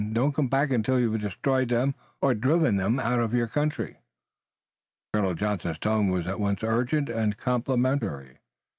Don't come back until you've destroyed them or driven them out of your country." Colonel Johnson's tone was at once urgent and complimentary.